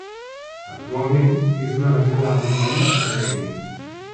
Actualment és una regió de majoria armènia.